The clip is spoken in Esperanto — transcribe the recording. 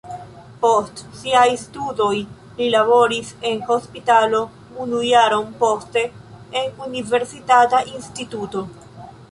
Post siaj studoj li laboris en hospitalo unu jaron, poste en universitata instituto.